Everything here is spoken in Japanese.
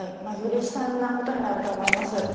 より悲惨なことになると思います。